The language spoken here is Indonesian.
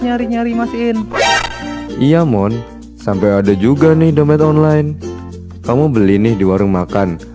nyari nyari masin iya mohon sampai ada juga nih dompet online kamu beli nih di warung makan